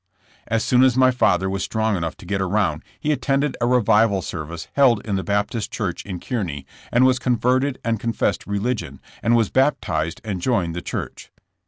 As soon as my father was strong enough to get around he attended a revival service held in the Bap tist church in Kearney and was converted and con fessed religion, and was baptised and joined the church.